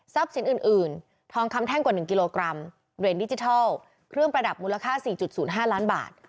สินอื่นทองคำแท่งกว่า๑กิโลกรัมเหรียญดิจิทัลเครื่องประดับมูลค่า๔๐๕ล้านบาท